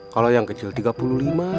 kalau yang kecil tiga puluh lima